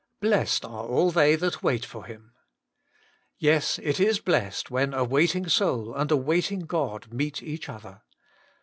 * Blessed are all they that wait for Him.' Yes, it is blessed when a waiting soul and a waiting God meet each other.